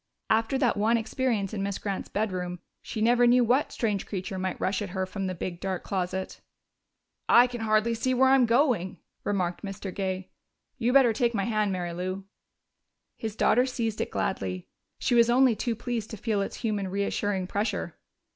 After that one experience in Miss Grant's bedroom, she never knew what strange creature might rush at her from the big, dark closet. "I can hardly see where I'm going," remarked Mr. Gay. "You better take my hand, Mary Lou." His daughter seized it gladly; she was only too pleased to feel its human, reassuring pressure.